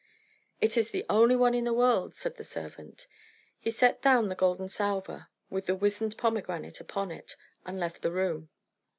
"It is the only one in the world," said the servant. He set down the golden salver, with the wizened pomegranate upon it, and left the room.